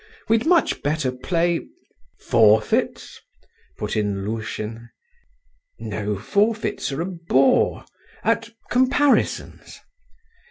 We'd much better play… "Forfeits?" put in Lushin. "No, forfeits are a bore; at comparisons."